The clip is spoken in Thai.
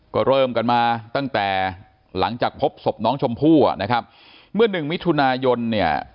ก็เริ่มกันมาตั้งแต่หลังจากพบศพน้องชมพู่อ่ะนะครับเมื่อหนึ่งมิถุนายนเนี่ย